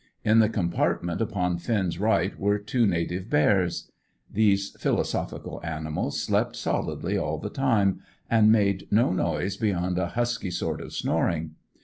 In the compartment upon Finn's right were two native bears. These philosophical animals slept solidly all the time, and made no noise beyond a husky sort of snoring.